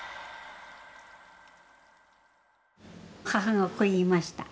母がこう言いました。